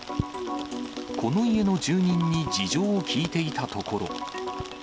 この家の住人に事情を聴いていたところ。